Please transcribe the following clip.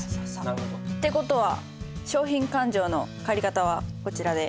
って事は商品勘定の借方はこちらで。